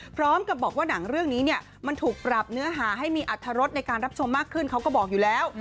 พร้อมกับบอกว่าหนังเรื่องนี้เนี่ยมันถูกปรับเนื้อหาให้มีอัตรรสในการรับชมมากขึ้นเขาก็บอกอยู่แล้ว